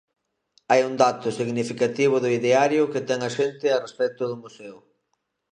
Hai un dato significativo do ideario que ten a xente a respecto do museo.